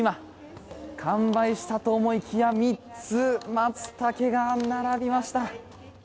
完売したと思いきや３つ、マツタケが並びました。